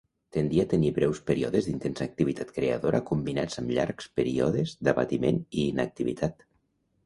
Tendia a tenir breus períodes d'intensa activitat creadora combinats amb llargs períodes d'abatiment i inactivitat.